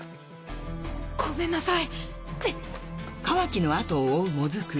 ごめんなさい。